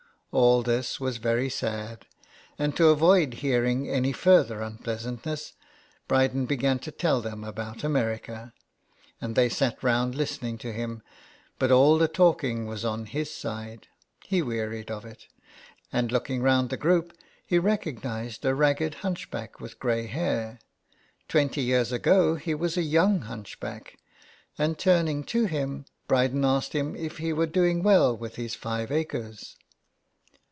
All this was very sad, and to avoid hearing any further unpleasantness, 1 60 HOME SICKNESS. Brydcn began to tell them about America. And they sat round listening to him ; but all the talking was on his side ; he wearied of it ; and looking round the group he recognised a ragged hunchback with grey hair ; twenty years ago he was a young hunchback, and, turning to him, Bryden asked him if he were doing well with his five acres.